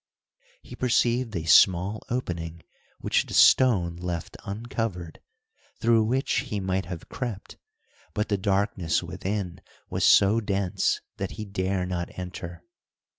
He perceived a small opening which the stone left uncovered, through which he might have crept, but the darkness within was so dense that he dare not enter.